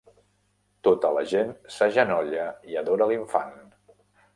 Tota la gent s'agenolla i adora l'infant.